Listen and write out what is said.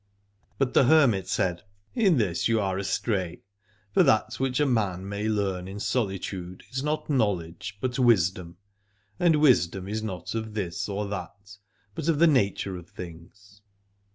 But the hermit said: In this you are astray: for that which a man may learn in solitude is not knowledge but wisdom, and wisdom is not of this or that, but of the nature of things.